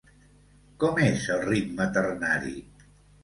Com és el ritme ternari?